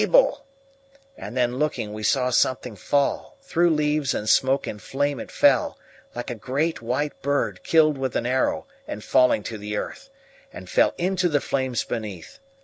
and then looking we saw something fall; through leaves and smoke and flame it fell like a great white bird killed with an arrow and falling to the earth, and fell into the flames beneath.